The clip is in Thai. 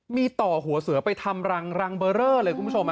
มีต่อหัวเสือไปทำรังเบอร์เรอเลยคุณผู้ชม